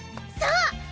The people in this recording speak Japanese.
そう！